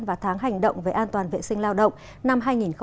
và tháng hành động về an toàn vệ sinh lao động năm hai nghìn năm